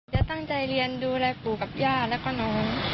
จะตั้งใจเรียนดูแลปู่กับย่าแล้วก็น้อง